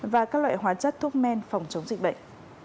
và các loại hóa chất thuốc men phòng chống dịch bệnh